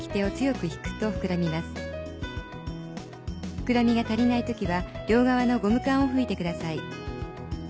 「膨らみが足りないときは両側のゴム管を吹いてください」